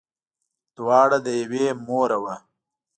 دواړه له یوې موره وه.